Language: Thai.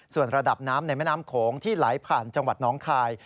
ส่วนระดับน้ำในแม่น้ำโขงที่ไหลผ่านจังหวัดน้องคาย